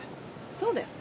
そうだよ。